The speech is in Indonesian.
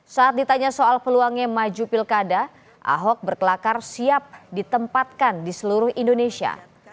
saat ditanya soal peluangnya maju pilkada ahok berkelakar siap ditempatkan di seluruh indonesia